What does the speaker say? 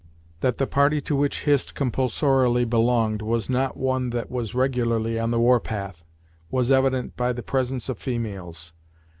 That the party to which Hist compulsorily belonged was not one that was regularly on the war path, was evident by the presence of females.